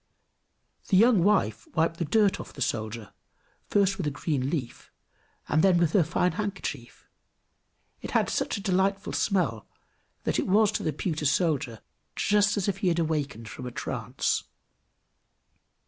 The young wife wiped the dirt off the soldier, first with a green leaf, and then with her fine handkerchief it had such a delightful smell, that it was to the pewter soldier just as if he had awaked from a trance.